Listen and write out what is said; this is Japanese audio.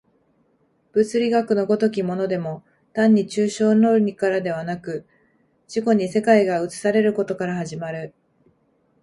物理学の如きものでも単に抽象論理からではなく、自己に世界が映されることから始まる。